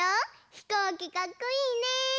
ひこうきかっこいいね！